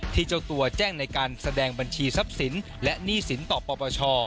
เจ้าตัวแจ้งในการแสดงบัญชีทรัพย์สินและหนี้สินต่อปปช